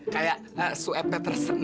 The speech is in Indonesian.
kayak swat patterson ya